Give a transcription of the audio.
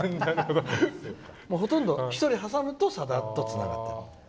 ほとんど１人挟むとさだとつながってる。